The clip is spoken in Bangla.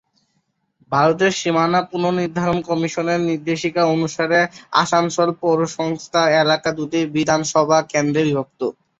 ভারতের সীমানা পুনর্নির্ধারণ কমিশনের নির্দেশিকা অনুসারে, আসানসোল পৌরসংস্থা এলাকা দুটি বিধানসভা কেন্দ্রে বিভক্ত।